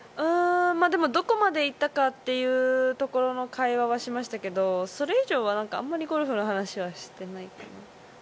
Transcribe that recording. どこまで行ったかっていうところの会話はしましたけど、それ以上は、あまりゴルフの話はしていないかな？